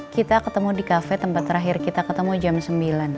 kita ketemu di kafe tempat terakhir kita ketemu jam sembilan